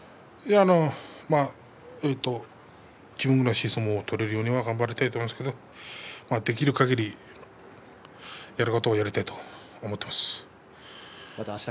えーと自分らしい相撲を取れるように頑張りたいと思いますけどできるかぎり、やることをやりたいと思っています。